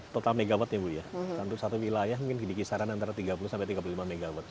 total dua mw ya bu ya untuk satu wilayah mungkin dikisaran antara tiga puluh tiga puluh lima mw